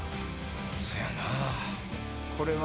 せやなぁこれは。